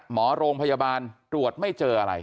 หมอโรงพยาบาลตรวจไม่เจออะไร